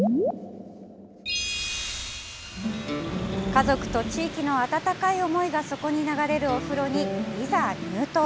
家族と地域の温かい思いが底に流れるお風呂に、いざ入湯。